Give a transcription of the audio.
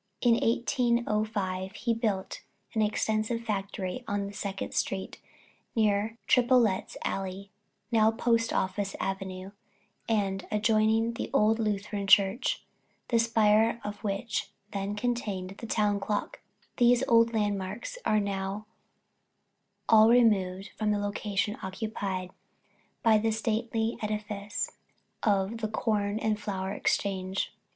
In 1805 he built an extensive factory on Second street, near Tripolet's alley now Post Office avenue and adjoining the old Lutheran Church, the spire of which then contained the Town Clock; these old landmarks are now all removed and the location occupied by the stately edifice of the Corn and Flour Exchange.